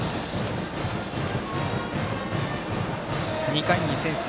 ２回に先制。